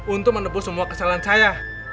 untuk menepus semua kesalahan saya